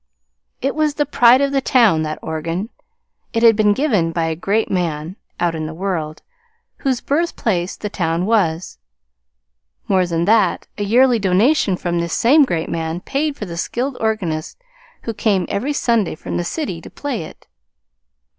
It was the pride of the town that organ. It had been given by a great man (out in the world) whose birthplace the town was. More than that, a yearly donation from this same great man paid for the skilled organist who came every Sunday from the city to play it.